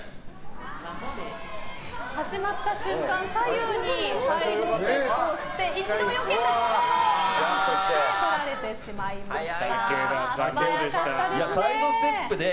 始まった瞬間、左右にサイドステップをして一度はよけたものの取られてしまいました。